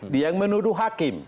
dia yang menuduh hakim